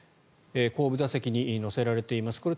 後部座席に乗せられています。